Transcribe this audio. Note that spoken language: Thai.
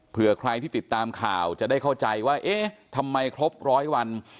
เพื่อใครที่ติดตามข่าวจะได้เข้าใจว่าเอ๊ะทำไมครบร้อยวัน